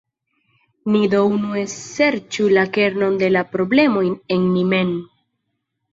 Ni do unue serĉu la kernon de la problemoj en ni mem.